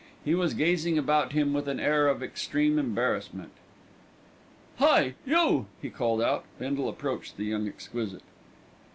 He was gazing about him with an air of extreme embarrassment. "Hi! You!" he called out. Bindle approached the young exquisite.